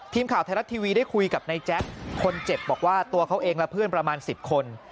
ทีมข่าวไทยรัฐทีวีได้คุยกับนายแจ๊คคนเจ็บบอกว่าตัวเขาเองและเพื่อนประมาณ๑๐คน